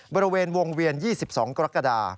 บริเวณวงเวียน๒๒กรกฎา